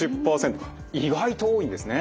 意外と多いんですね。